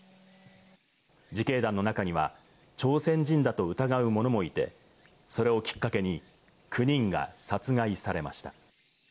自警団の中には朝鮮人だと疑う者もいてそれをきっかけに９人が殺害されました。